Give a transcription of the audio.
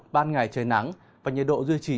ban ngày trời nắng và nhiệt độ duy trì